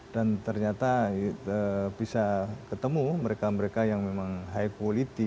dan ternyata bisa ketemu mereka mereka yang memang high quality